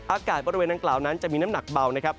อากาศบริเวณดังกล่าวนั้นจะมีน้ำหนักเบานะครับ